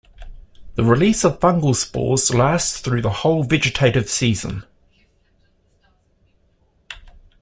The release of fungal spores lasts through the whole vegetative season.